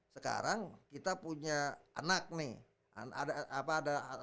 sekarang kita punya anak nih